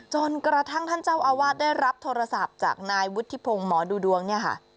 จนกระทั่งท่านเจ้าอาวาสได้รับโทรศัพท์จากนายวุฒิพงศ์หมอดูดวงเนี่ยค่ะ